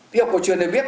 ví dụ hội truyền này biết